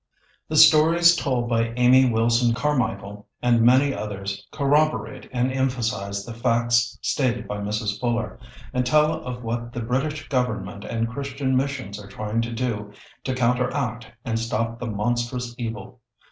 The stories told by Amy Wilson Carmichael and many others corroborate and emphasize the facts stated by Mrs. Fuller, and tell of what the British Government and Christian missions are trying to do to counteract and stop the monstrous evil.